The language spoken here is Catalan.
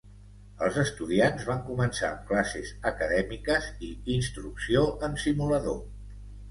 Els estudiants van començar amb classes acadèmiques i instrucció en simulador.